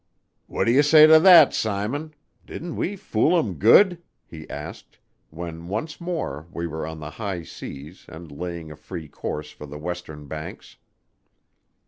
"What d'y' say to that, Simon? Didn't we fool 'em good?" he asked, when once more we were on the high seas and laying a free course for the western banks.